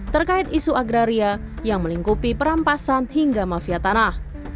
terkait isu agraria yang melingkupi perampasan hingga mafia tanah